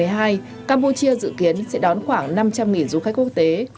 campuchia dự kiến sẽ đón khoảng năm trăm linh du khách quốc tế